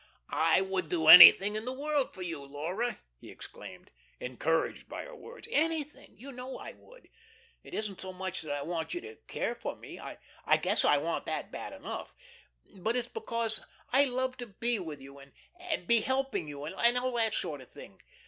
"I would do anything in the world for you, Laura," he exclaimed, encouraged by her words; "anything. You know I would. It isn't so much that I want you to care for me and I guess I want that bad enough but it's because I love to be with you, and be helping you, and all that sort of thing.